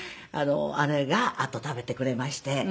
姉があと食べてくれまして。